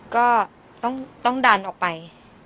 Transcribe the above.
ก็ต้องต้องดันออกไป